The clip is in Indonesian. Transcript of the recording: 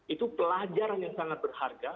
itu pelajaran yang sangat berharga